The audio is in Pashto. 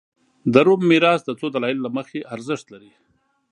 د روم میراث د څو دلایلو له مخې ارزښت لري